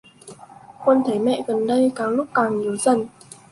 Quân thấy mẹ gần đây càng lúc càng yếu dần